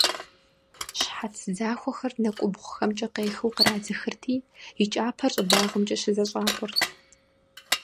Щхьэц захуэхэр нэкӀубгъухэмкӀэ къехыу кърадзыхырти, и кӀапэр щӀыбагъымкӀэ щызэщӀакъуэрт.